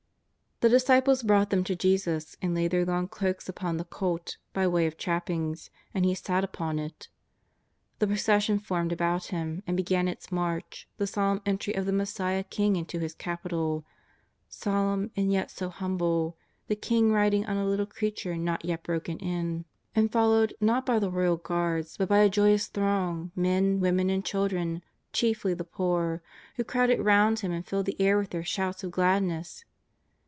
The disciples brought them to Jesus and laid their long cloaks upon the colt by way of trappings, and He sat upon it. The procession formed about Him and began its march, the solemn entry of the Messiah King into His capital, solemn and yet so humble, the King riding on a little creature not yet broken in, and fol JESUS OF NAZARETH. 309 lowed, not by the royal guards, but by a joyous throng, men, women, and children, chiefly the poor, who crowded round Him and filled the air with their shouts of gladness.